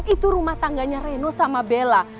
itu rumah tangganya reno sama bella